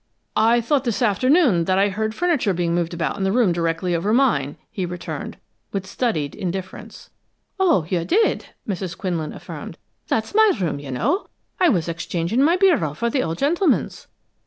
"I thought this afternoon that I heard furniture being moved about in the room directly over mine," he returned, with studied indifference. "Oh, you did!" Mrs. Quinlan affirmed. "That's my room, you know. I was exchanging my bureau for the old gentleman's."